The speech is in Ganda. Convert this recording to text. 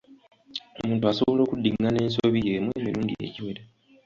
Omuntu asobola okuddingana ensobi y'emu emirundi egiwera.